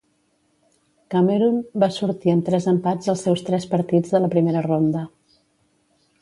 Cameroon va sortir amb tres empats als seus tres partits de la primera ronda.